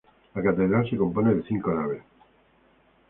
La catedral se compone de cinco naves.